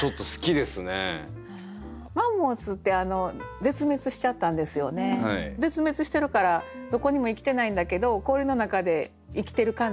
絶滅してるからどこにも生きてないんだけど氷の中で生きてる感じ。